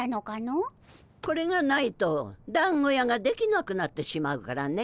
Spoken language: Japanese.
これがないとだんご屋ができなくなってしまうからね。